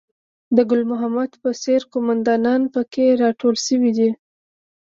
د ګل محمد په څېر قوماندانان په کې راټول شوي دي.